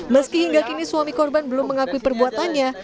meski hingga kini suami korban belum mengakui perbuatannya